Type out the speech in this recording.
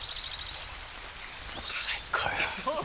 最高よ。